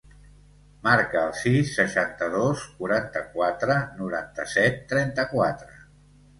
Marca el sis, seixanta-dos, quaranta-quatre, noranta-set, trenta-quatre.